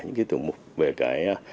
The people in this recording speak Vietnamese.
những cái tiểu mục về cái